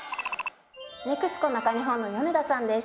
ＮＥＸＣＯ中日本の米田さんです。